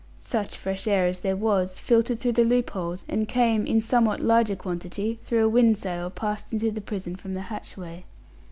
Such fresh air as there was, filtered through the loopholes, and came, in somewhat larger quantity, through a wind sail passed into the prison from the hatchway.